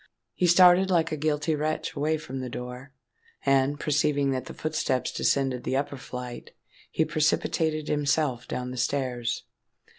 He started like a guilty wretch away from the door: and, perceiving that the footsteps descended the upper flight, he precipitated himself down the stairs.